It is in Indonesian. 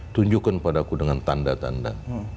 tunjukkan padaku dengan tanda tanda